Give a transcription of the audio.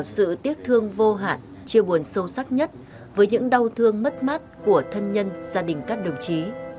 sự tiếc thương vô hạn chia buồn sâu sắc nhất với những đau thương mất mát của thân nhân gia đình các đồng chí